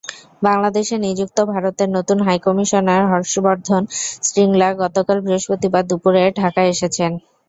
বাংলাদেশে নিযুক্ত ভারতের নতুন হাইকমিশনার হর্ষ বর্ধন শ্রিংলা গতকাল বৃহস্পতিবার দুপুরে ঢাকায় এসেছেন।